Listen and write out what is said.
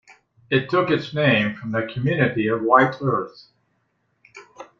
It took its name from the community of White Earth.